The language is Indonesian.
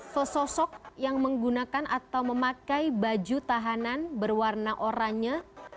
sesosok yang menggunakan atau memakai baju tahanan berwarna oranye